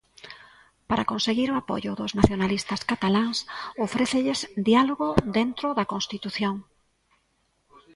Para conseguir o apoio dos nacionalistas cataláns ofrécelles diálogo dentro da Constitución.